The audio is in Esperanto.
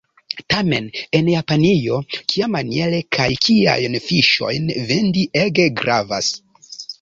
Tamen en Japanio kiamaniere kaj kiajn fiŝojn vendi ege gravas.